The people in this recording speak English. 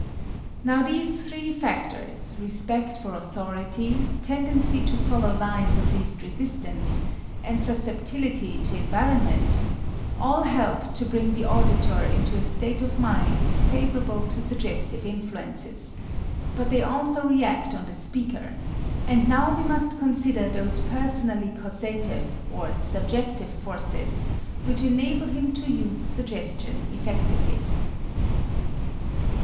Now these three factors respect for authority, tendency to follow lines of least resistance, and susceptibility to environment all help to bring the auditor into a state of mind favorable to suggestive influences, but they also react on the speaker, and now we must consider those personally causative, or subjective, forces which enable him to use suggestion effectively.